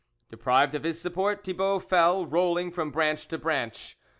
Deprived of his support, Thibault fell, rolling from branch to banch.